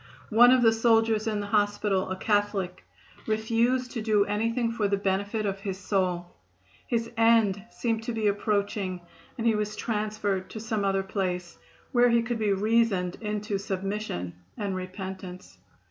One of the soldiers in the hospital, a Catholic, refused to do anything for the benefit of his soul. His end seemed to be approaching and he was transferred to some other place, where he could be reasoned into submission and repentance.